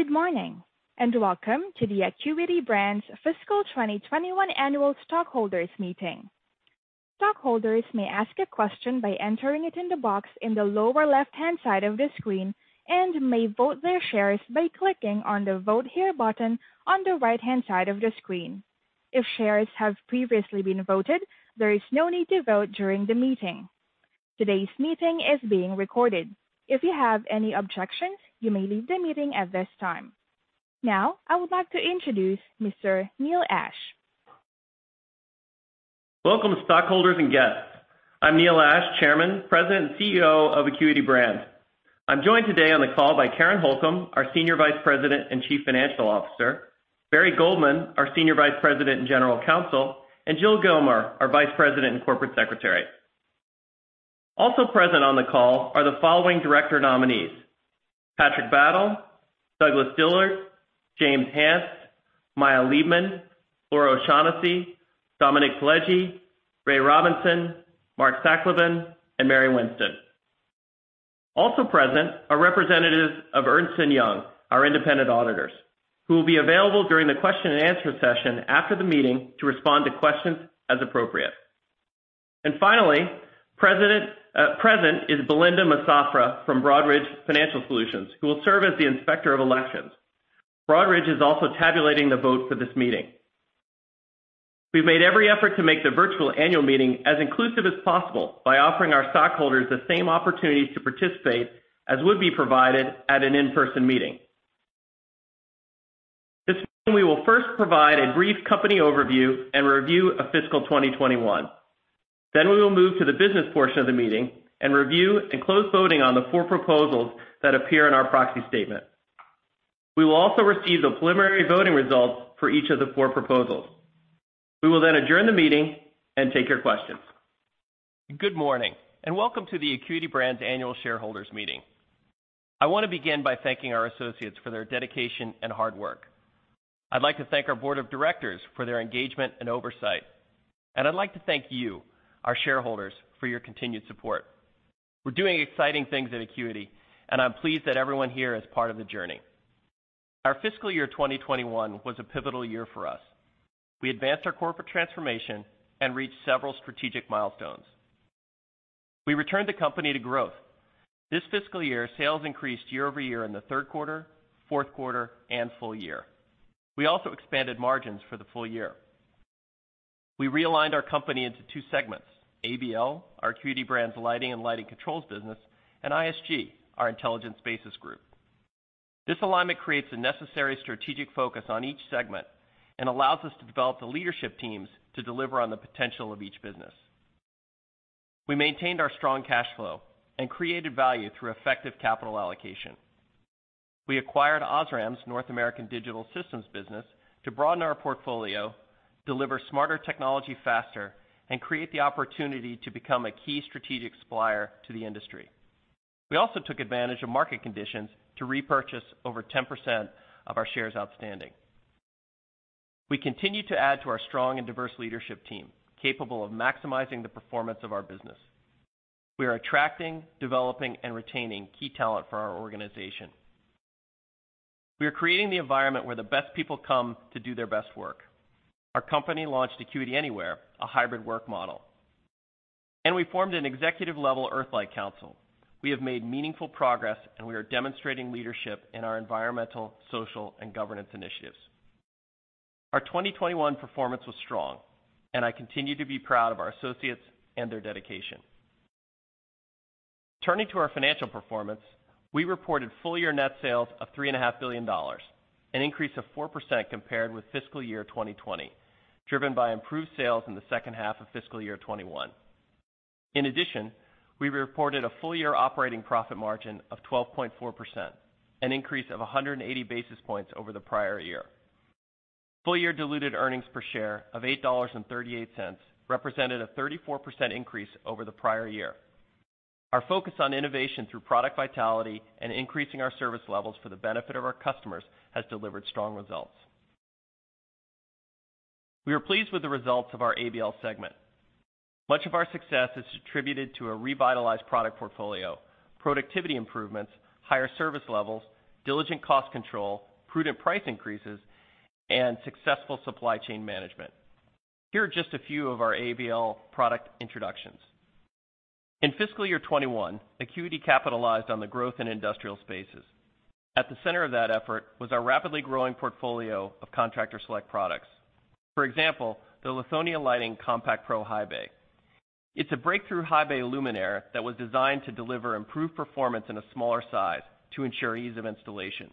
Good morning, and welcome to the Acuity Brands' fiscal 2021 annual stockholders meeting. Stockholders may ask a question by entering it in the box in the lower left-hand side of the screen, and may vote their shares by clicking on the Vote Here button on the right-hand side of the screen. If shares have previously been voted, there is no need to vote during the meeting. Today's meeting is being recorded. If you have any objections, you may leave the meeting at this time. Now, I would like to introduce Mr. Neil Ashe. Welcome to stockholders and guests. I'm Neil Ashe, Chairman, President, and CEO of Acuity Brands. I'm joined today on the call by Karen Holcom, our Senior Vice President and Chief Financial Officer, Barry Goldman, our Senior Vice President and General Counsel, and Jill Gilmer, our Vice President and Corporate Secretary. Also present on the call are the following director nominees: Patrick Battle, Douglas Dillard, James Hance, Maya Leibman, Laura O'Shaughnessy, Dominic Pileggi, Ray Robinson, Mark Sachleben, and Mary Winston. Also present are representatives of Ernst & Young, our independent auditors, who will be available during the question-and-answer session after the meeting to respond to questions as appropriate. Finally, present is Belinda Massafra from Broadridge Financial Solutions, who will serve as the Inspector of Elections. Broadridge is also tabulating the vote for this meeting. We've made every effort to make the virtual annual meeting as inclusive as possible by offering our stockholders the same opportunities to participate as would be provided at an in-person meeting. This meeting, we will first provide a brief company overview and review of fiscal 2021. We will move to the business portion of the meeting and review and close voting on the four proposals that appear in our proxy statement. We will also receive the preliminary voting results for each of the four proposals. We will then adjourn the meeting and take your questions. Good morning and welcome to the Acuity Brands Annual Shareholders Meeting. I want to begin by thanking our associates for their dedication and hard work. I'd like to thank our board of directors for their engagement and oversight. I'd like to thank you, our shareholders for your continued support. We're doing exciting things at Acuity, and I'm pleased that everyone here is part of the journey. Our fiscal year 2021 was a pivotal year for us. We advanced our corporate transformation and reached several strategic milestones. We returned the company to growth. This fiscal year, sales increased year-over-year in the third quarter, fourth quarter, and full year. We also expanded margins for the full year. We realigned our company into two segments: ABL, our Acuity Brands Lighting and Lighting Controls business, and ISG, our Intelligent Spaces Group. This alignment creates the necessary strategic focus on each segment and allows us to develop the leadership teams to deliver on the potential of each business. We maintained our strong cash flow and created value through effective capital allocation. We acquired ams OSRAM's North American Digital Systems business to broaden our portfolio, deliver smarter technology faster, and create the opportunity to become a key strategic supplier to the industry. We also took advantage of market conditions to repurchase over 10% of our shares outstanding. We continue to add to our strong and diverse leadership team, capable of maximizing the performance of our business. We are attracting, developing, and retaining key talent for our organization. We are creating the environment where the best people come to do their best work. Our company launched Acuity Anywhere, a hybrid work model. We formed an executive-level EarthLIGHT Council. We have made meaningful progress, and we are demonstrating leadership in our environmental, social, and governance initiatives. Our 2021 performance was strong, and I continue to be proud of our associates and their dedication. Turning to our financial performance, we reported full-year net sales of $3.5 billion, an increase of 4% compared with fiscal year 2020, driven by improved sales in the second half of fiscal year 2021. In addition, we reported a full-year operating profit margin of 12.4%, an increase of 180 basis points over the prior year. Full-year diluted earnings per share of $8.38 represented a 34% increase over the prior year. Our focus on innovation through product vitality and increasing our service levels for the benefit of our customers has delivered strong results. We are pleased with the results of our ABL segment. Much of our success is attributed to a revitalized product portfolio, productivity improvements, higher service levels, diligent cost control, prudent price increases, and successful supply chain management. Here are just a few of our ABL product introductions. In fiscal year 2021, Acuity capitalized on the growth in industrial spaces. At the center of that effort was our rapidly growing portfolio of Contractor Select products. For example, the Lithonia Lighting Compact Pro High Bay. It's a breakthrough high bay luminaire that was designed to deliver improved performance in a smaller size to ensure ease of installation.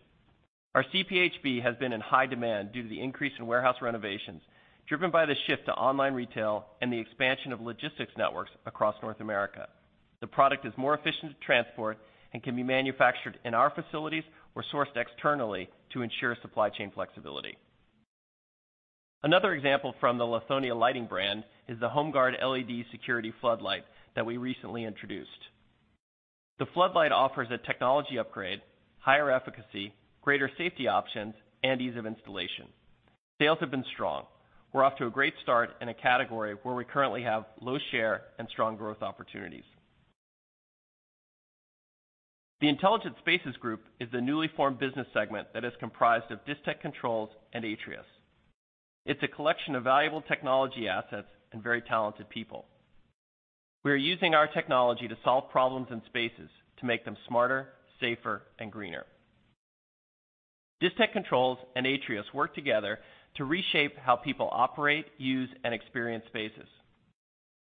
Our CPHB has been in high demand due to the increase in warehouse renovations driven by the shift to online retail and the expansion of logistics networks across North America. The product is more efficient to transport and can be manufactured in our facilities or sourced externally to ensure supply chain flexibility. Another example from the Lithonia Lighting brand is the HomeGuard LED Security Floodlight that we recently introduced. The floodlight offers a technology upgrade, higher efficacy, greater safety options, and ease of installation. Sales have been strong. We're off to a great start in a category where we currently have low share and strong growth opportunities. The Intelligent Spaces Group is a newly formed business segment that is comprised of Distech Controls and Atrius. It's a collection of valuable technology assets and very talented people. We are using our technology to solve problems in spaces to make them smarter, safer, and greener. Distech Controls and Atrius work together to reshape how people operate, use, and experience spaces.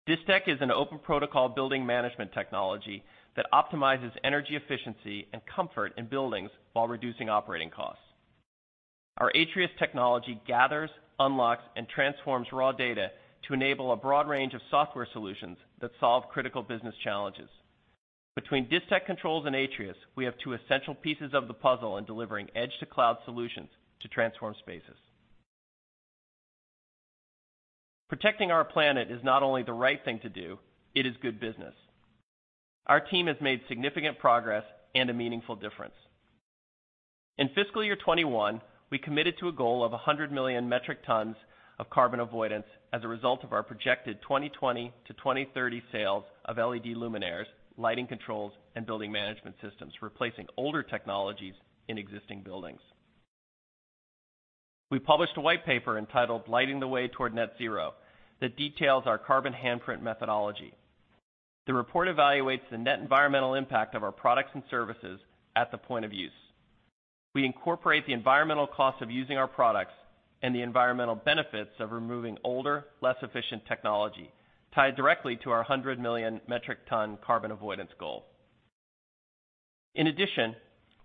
Distech is an open protocol building management technology that optimizes energy efficiency and comfort in buildings while reducing operating costs. Our Atrius technology gathers, unlocks, and transforms raw data to enable a broad range of software solutions that solve critical business challenges. Between Distech Controls and Atrius, we have two essential pieces of the puzzle in delivering edge-to-cloud solutions to transform spaces. Protecting our planet is not only the right thing to do, it is good business. Our team has made significant progress and a meaningful difference. In fiscal year 2021, we committed to a goal of 100 million metric tons of carbon avoidance as a result of our projected 2020 to 2030 sales of LED luminaires, lighting controls, and building management systems, replacing older technologies in existing buildings. We published a white paper entitled Lighting the Way Toward Net Zero that details our carbon handprint methodology. The report evaluates the net environmental impact of our products and services at the point of use. We incorporate the environmental cost of using our products and the environmental benefits of removing older, less efficient technology tied directly to our 100 million metric ton carbon avoidance goal. In addition,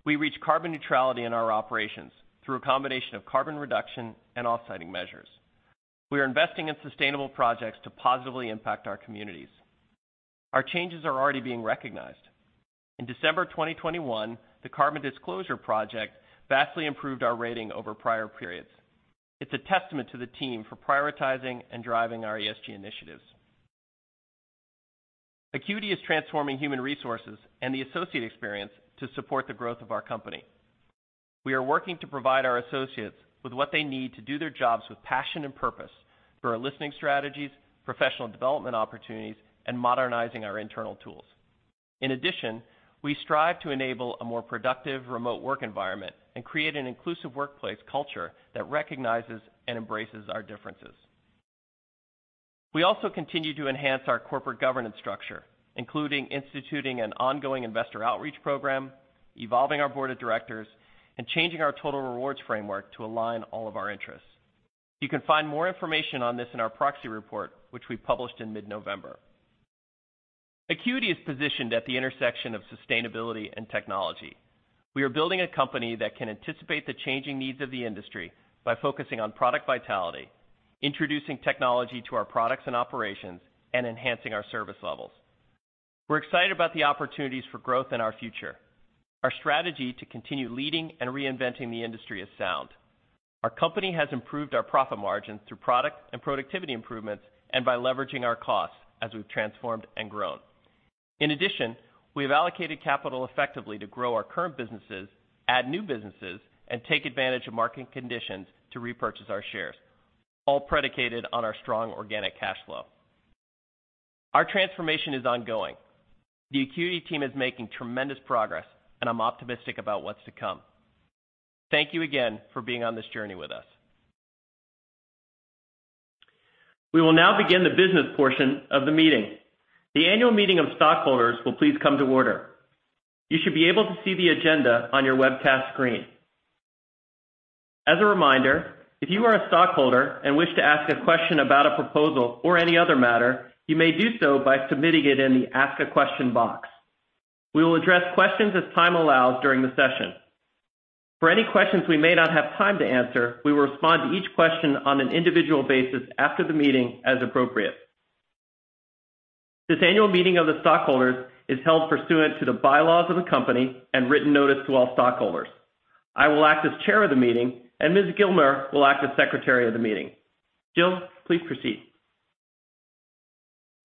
we reach carbon neutrality in our operations through a combination of carbon reduction and offsetting measures. We are investing in sustainable projects to positively impact our communities. Our changes are already being recognized. In December 2021, the Carbon Disclosure Project vastly improved our rating over prior periods. It's a testament to the team for prioritizing and driving our ESG initiatives. Acuity is transforming human resources and the associate experience to support the growth of our company. We are working to provide our associates with what they need to do their jobs with passion and purpose through our listening strategies, professional development opportunities, and modernizing our internal tools. In addition, we strive to enable a more productive remote work environment and create an inclusive workplace culture that recognizes and embraces our differences. We also continue to enhance our corporate governance structure, including instituting an ongoing investor outreach program, evolving our board of directors, and changing our total rewards framework to align all of our interests. You can find more information on this in our proxy report, which we published in mid-November. Acuity is positioned at the intersection of sustainability and technology. We are building a company that can anticipate the changing needs of the industry by focusing on product vitality, introducing technology to our products and operations, and enhancing our service levels. We're excited about the opportunities for growth in our future. Our strategy to continue leading and reinventing the industry is sound. Our company has improved our profit margins through product and productivity improvements and by leveraging our costs as we've transformed and grown. In addition, we have allocated capital effectively to grow our current businesses, add new businesses, and take advantage of market conditions to repurchase our shares, all predicated on our strong organic cash flow. Our transformation is ongoing. The Acuity team is making tremendous progress, and I'm optimistic about what's to come. Thank you again for being on this journey with us. We will now begin the business portion of the meeting. The annual meeting of stockholders will please come to order. You should be able to see the agenda on your webcast screen. As a reminder, if you are a stockholder and wish to ask a question about a proposal or any other matter, you may do so by submitting it in the Ask a Question box. We will address questions as time allows during the session. For any questions we may not have time to answer, we will respond to each question on an individual basis after the meeting as appropriate. This annual meeting of the stockholders is held pursuant to the bylaws of the company and written notice to all stockholders. I will act as chair of the meeting, and Ms. Gilmer will act as secretary of the meeting. Jill, please proceed.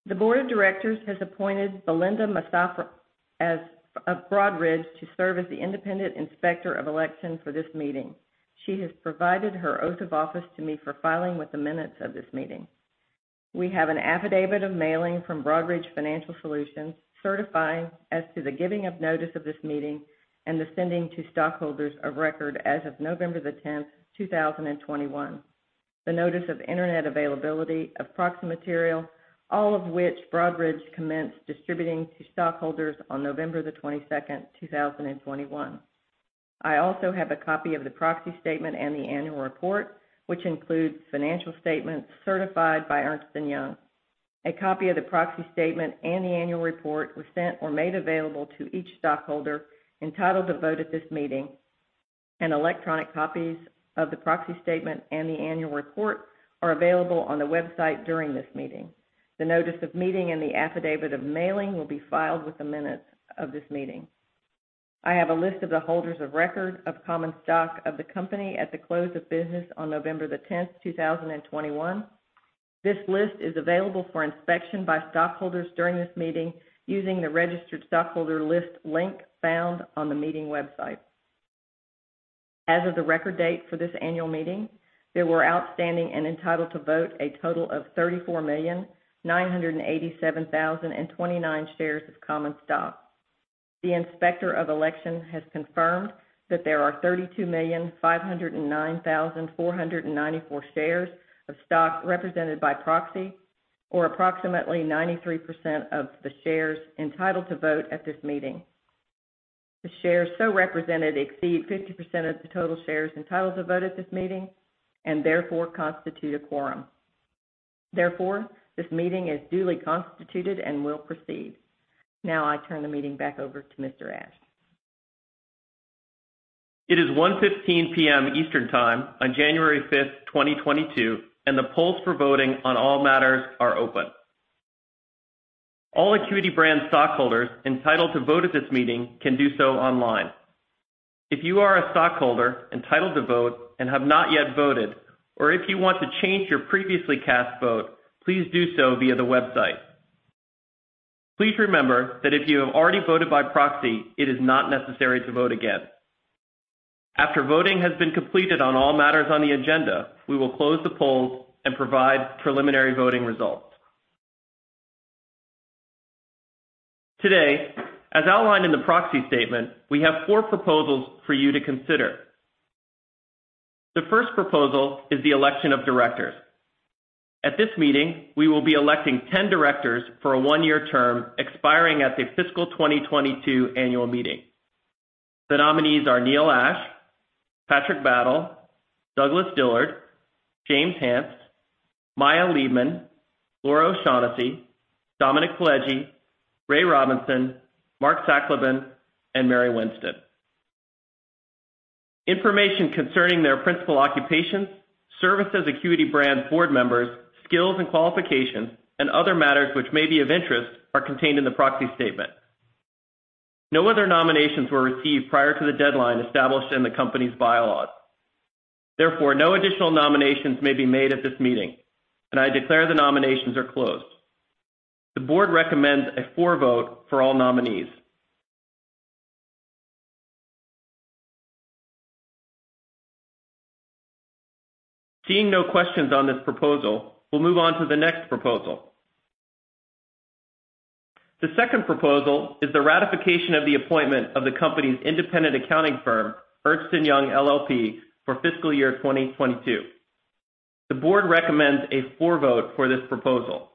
The board of directors has appointed Belinda Massafra of Broadridge to serve as the independent inspector of election for this meeting. She has provided her oath of office to me for filing with the minutes of this meeting. We have an affidavit of mailing from Broadridge Financial Solutions certifying as to the giving of notice of this meeting and the sending to stockholders of record as of November 10, 2021, the notice of Internet availability of proxy material, all of which Broadridge commenced distributing to stockholders on November 22, 2021. I also have a copy of the proxy statement and the annual report, which includes financial statements certified by Ernst & Young. A copy of the proxy statement and the annual report were sent or made available to each stockholder entitled to vote at this meeting. Electronic copies of the proxy statement and the annual report are available on the website during this meeting. The notice of meeting and the affidavit of mailing will be filed with the minutes of this meeting. I have a list of the holders of record of common stock of the company at the close of business on November 10, 2021. This list is available for inspection by stockholders during this meeting using the registered stockholder list link found on the meeting website. As of the record date for this annual meeting, there were outstanding and entitled to vote a total of 34,987,029 shares of common stock. The Inspector of Election has confirmed that there are 32,509,494 shares of stock represented by proxy, or approximately 93% of the shares entitled to vote at this meeting. The shares so represented exceed 50% of the total shares entitled to vote at this meeting and therefore constitute a quorum. Therefore, this meeting is duly constituted and will proceed. Now, I turn the meeting back over to Mr. Ashe. It is 1:15 P.M. Eastern Time on January 5th, 2022, and the polls for voting on all matters are open. All Acuity Brands stockholders entitled to vote at this meeting can do so online. If you are a stockholder entitled to vote and have not yet voted, or if you want to change your previously cast vote, please do so via the website. Please remember that if you have already voted by proxy, it is not necessary to vote again. After voting has been completed on all matters on the agenda, we will close the polls and provide preliminary voting results. Today, as outlined in the proxy statement, we have four proposals for you to consider. The first proposal is the election of directors. At this meeting, we will be electing 10 directors for a one-year term expiring at the fiscal 2022 annual meeting. The nominees are Neil Ashe, Patrick Battle, Douglas Dillard, James Hance, Maya Leibman, Laura O'Shaughnessy, Dominic Pileggi, Ray Robinson, Mark Sachleben, and Mary Winston. Information concerning their principal occupations, service as Acuity Brands board members, skills and qualifications, and other matters which may be of interest are contained in the proxy statement. No other nominations were received prior to the deadline established in the company's bylaws. Therefore, no additional nominations may be made at this meeting, and I declare the nominations are closed. The board recommends a for vote for all nominees. Seeing no questions on this proposal, we'll move on to the next proposal. The second proposal is the ratification of the appointment of the company's independent accounting firm, Ernst & Young LLP, for fiscal year 2022. The board recommends a for vote for this proposal.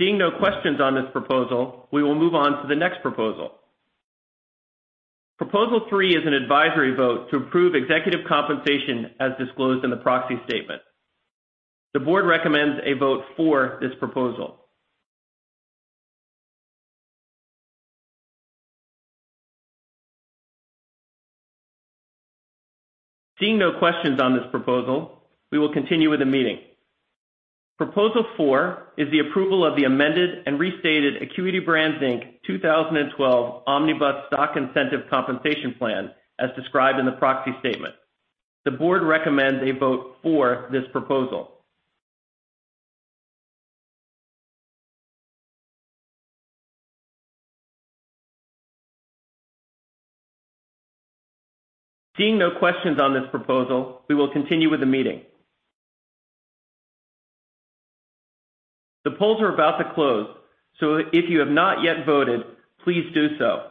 Seeing no questions on this proposal, we will move on to the next proposal. Proposal 3 is an advisory vote to approve executive compensation as disclosed in the proxy statement. The board recommends a vote for this proposal. Seeing no questions on this proposal, we will continue with the meeting. Proposal 4 is the approval of the amended and restated Acuity Brands, Inc 2012 omnibus stock incentive compensation plan as described in the proxy statement. The board recommends a vote for this proposal. Seeing no questions on this proposal, we will continue with the meeting. The polls are about to close, so if you have not yet voted, please do so.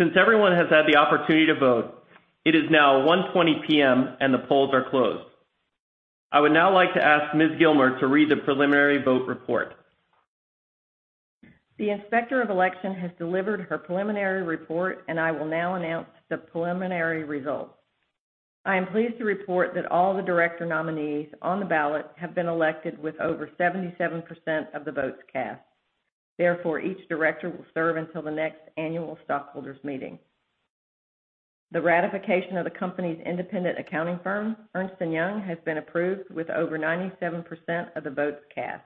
Since everyone has had the opportunity to vote, it is now 1:20 P.M. and the polls are closed. I would now like to ask Ms. Gilmer to read the preliminary vote report. The Inspector of Election has delivered her preliminary report, and I will now announce the preliminary results. I am pleased to report that all the director nominees on the ballot have been elected with over 77% of the votes cast. Therefore, each director will serve until the next annual stockholders meeting. The ratification of the company's independent accounting firm, Ernst & Young, has been approved with over 97% of the votes cast.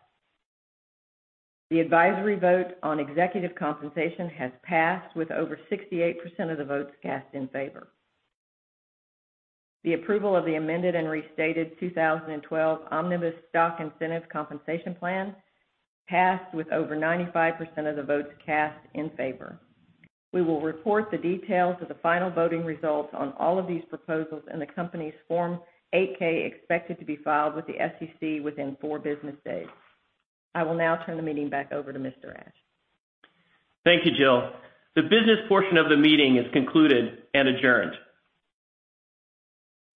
The advisory vote on executive compensation has passed with over 68% of the votes cast in favor. The approval of the amended and restated 2012 omnibus stock incentive compensation plan passed with over 95% of the votes cast in favor. We will report the details of the final voting results on all of these proposals in the company's Form 8-K expected to be filed with the SEC within four business days. I will now turn the meeting back over to Mr. Ashe. Thank you, Jill. The business portion of the meeting is concluded and adjourned.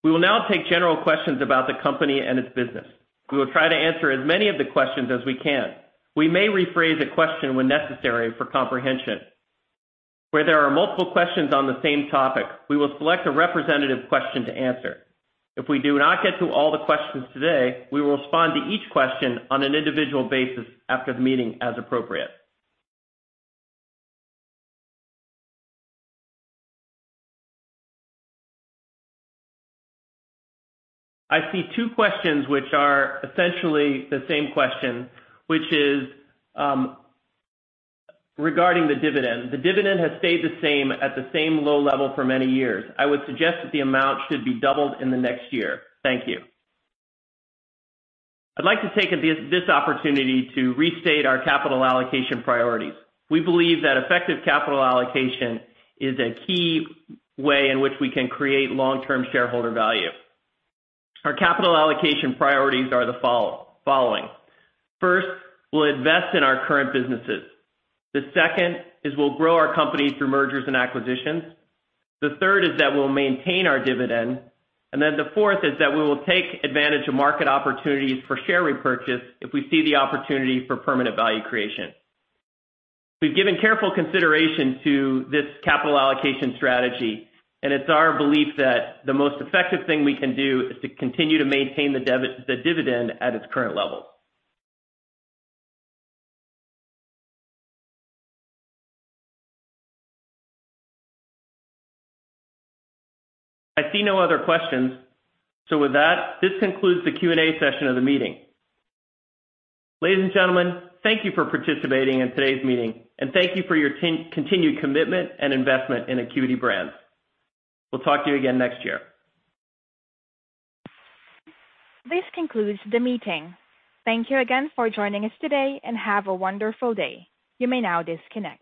We will now take general questions about the company and its business. We will try to answer as many of the questions as we can. We may rephrase a question when necessary for comprehension. Where there are multiple questions on the same topic, we will select a representative question to answer. If we do not get to all the questions today, we will respond to each question on an individual basis after the meeting as appropriate. I see two questions which are essentially the same question, which is regarding the dividend. The dividend has stayed the same at the same low level for many years. I would suggest that the amount should be doubled in the next year. Thank you. I'd like to take this opportunity to restate our capital allocation priorities. We believe that effective capital allocation is a key way in which we can create long-term shareholder value. Our capital allocation priorities are the following. First, we'll invest in our current businesses. The second is we'll grow our company through mergers and acquisitions. The third is that we'll maintain our dividend. The fourth is that we will take advantage of market opportunities for share repurchase if we see the opportunity for permanent value creation. We've given careful consideration to this capital allocation strategy, and it's our belief that the most effective thing we can do is to continue to maintain the dividend at its current level. I see no other questions. With that, this concludes the Q&A session of the meeting. Ladies and gentlemen, thank you for participating in today's meeting, and thank you for your continued commitment and investment in Acuity Brands. We'll talk to you again next year. This concludes the meeting. Thank you again for joining us today, and have a wonderful day. You may now disconnect.